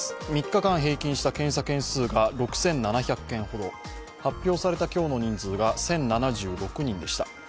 ３日間平均した検査件数が６７００件ほど、発表された今日の人数が１０７６人でした。